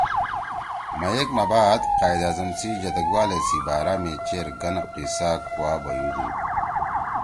مئیک ما بعد قائداعظم سی جدَگ والے سی بارا می چیرگن قصہ کُوا بیُودُود